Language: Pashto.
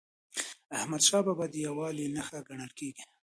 احمدشاه بابا د یووالي نښه ګڼل کېږي.